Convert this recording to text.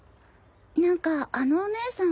なんかあのお姉さん。